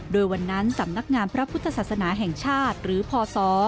โดยวันนั้นสำนักงานพระพุทธศาสนาแห่งชาติหรือพศ